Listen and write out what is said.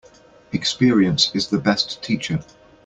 Experience is the best teacher.